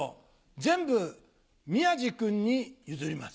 全部宮治君に譲ります。